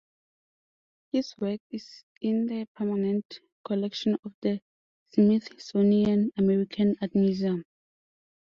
His work is in the permanent collection of the Smithsonian American Art Museum.